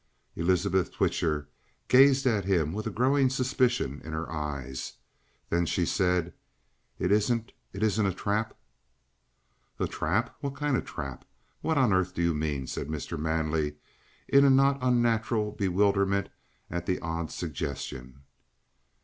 Elizabeth Twitcher gazed at him with a growing suspicion in her eyes. Then she said: "It isn't it isn't a trap?" "A trap? What kind of a trap? What on earth do you mean?" said Mr. Manley, in a not unnatural bewilderment at the odd suggestion.